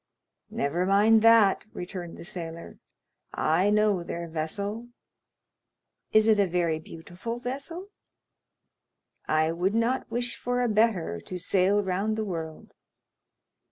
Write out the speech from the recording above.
"Never mind that," returned the sailor, "I know their vessel." "Is it a very beautiful vessel?" "I would not wish for a better to sail round the world."